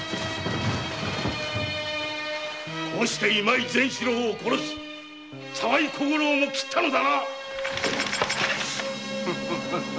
こうして今井善四郎を殺し沢井小五郎を斬ったのだな！？